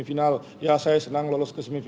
kita bisa mencari tempat yang lebih besar